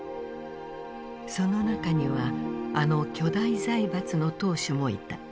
その中にはあの巨大財閥の当主もいた。